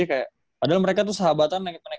kayak padahal mereka tuh sahabatan naik naik